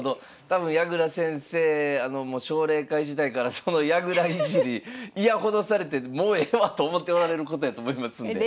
多分矢倉先生奨励会時代からその矢倉いじり嫌ほどされてもうええわと思っておられることやと思いますんで。